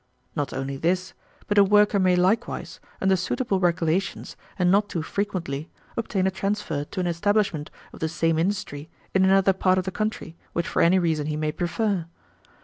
Not only this, but a worker may likewise, under suitable regulations and not too frequently, obtain a transfer to an establishment of the same industry in another part of the country which for any reason he may prefer.